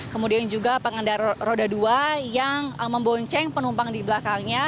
kemudian juga pengendara roda dua yang membonceng penumpang di belakangnya